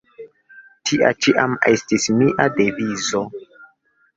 Tia ĉiam estis mia devizo.